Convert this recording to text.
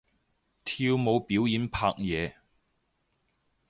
跳舞表演拍嘢